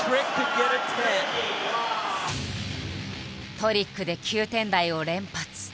トリックで９点台を連発。